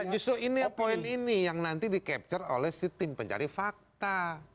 justru ini poin ini yang nanti di capture oleh si tim pencari fakta